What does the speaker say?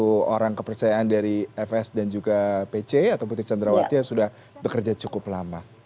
satu orang kepercayaan dari fs dan juga pc atau putri candrawati yang sudah bekerja cukup lama